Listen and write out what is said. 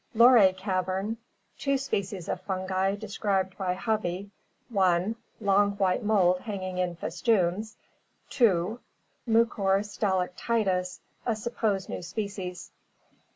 Luray Cavern: Two species of fungi described by Hovey: 1. Long white mold hanging in festoons. 2. Mucor stalactitis, a supposed new species.